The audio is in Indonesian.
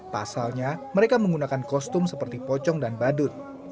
pasalnya mereka menggunakan kostum seperti pocong dan badut